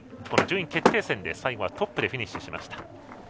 この順位決定戦で最後はトップでフィニッシュしました。